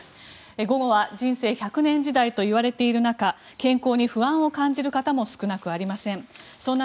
午後は人生１００年時代といわれている中健康に不安を感じる方も少なくありません。